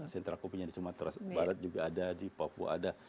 sentra kopinya di sumatera barat juga ada di papua ada